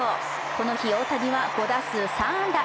この日大谷は５打数３安打。